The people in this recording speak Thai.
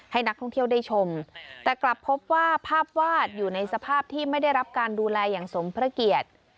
ให้นักท่องเที่ยวได้ชมแต่กลับพบว่าภาพวาดอยู่ในสภาพที่ไม่ได้รับการดูแลอย่างสมพระเกียรติ